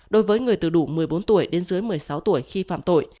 đối với người từ đủ một mươi bốn tuổi đến dưới một mươi sáu tuổi khi phạm tội